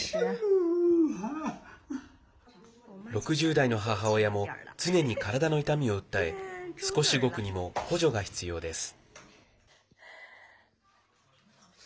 ６０代の母親も常に体の痛みを訴え少し動くにも補助が必要です。